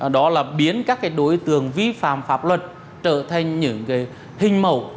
đó là biến các đối tượng vi phạm pháp luật trở thành những hình mẫu